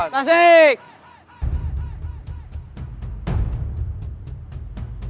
tasik tasik tasik